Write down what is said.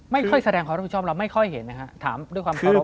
ไม่ค่อยแสดงความรับผิดชอบเราไม่ค่อยเห็นนะฮะถามด้วยความเคารพ